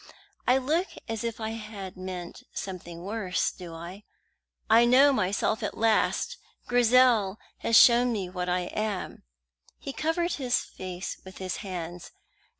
I look as if I had meant something worse, do I? I know myself at last! Grizel has shown me what I am." He covered his face with his hands.